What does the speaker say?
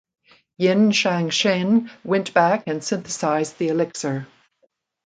Yin Changsheng went back and synthesized the elixir.